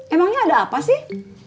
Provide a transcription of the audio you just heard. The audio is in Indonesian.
emangnya ada apa sih